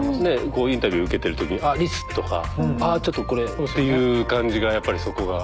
こうインタビュー受けてるときに「あっリス！」とか「あっちょっとこれ」っていう感じがやっぱりそこが。